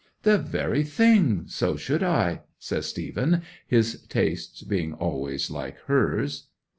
'"The very thing; so should I," says Stephen, his tastes being always like hers.